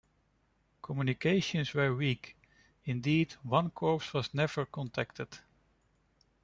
Communications were weak, indeed, one corps was never contacted.